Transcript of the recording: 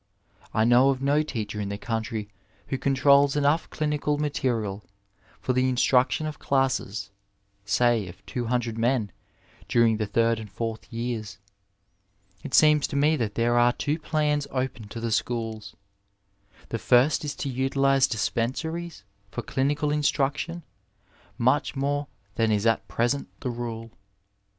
I know of no teacher in the country who controls enough clinical material for the instruction of classes say of 200 men during the third and fourth years. It seems to me that there are two plans open to the schools : The first is to utilize dispensaries for clinical instruction much more than is at present the rule.